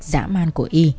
giả man của y